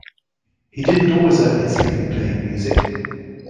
He didn't always earn his living playing music.